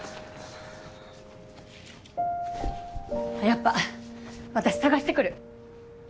やっぱ私捜してくる。